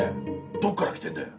どっから来てるんだよ？